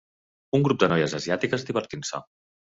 Un grup de noies asiàtiques divertint-se.